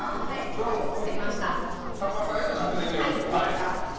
さんまさんへの勝手なイメージ。